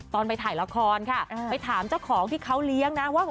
ตอนไปถ่ายละครค่ะไปถามเจ้าของที่เขาเลี้ยงนะว่า